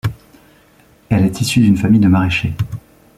Elle est issue d'une famille de maraîchers.